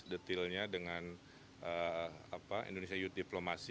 detailnya dengan indonesia youth diplomacy